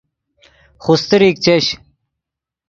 خوستریک چش